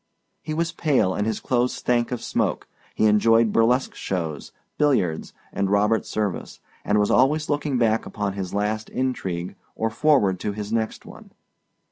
He was pale and his clothes stank of smoke; he enjoyed burlesque shows, billiards, and Robert Service, and was always looking back upon his last intrigue or forward to his next one.